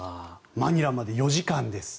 マニラまで４時間ですね。